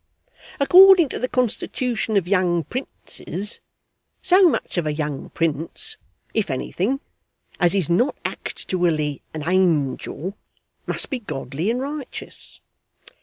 According to the constitution of young princes, so much of a young prince (if anything) as is not actually an angel, must be godly and righteous.